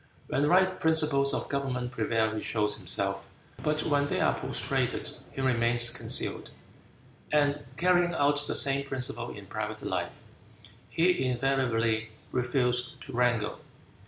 When right principles of government prevail he shows himself, but when they are prostrated he remains concealed." And carrying out the same principle in private life, he invariably refused to wrangle.